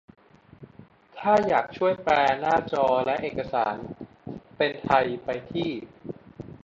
ถ้าอยากช่วยแปลหน้าจอและเอกสารเป็นไทย ไปที่